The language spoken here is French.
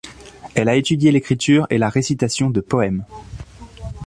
Elle a étudié l'écriture et la récitation de poèmes.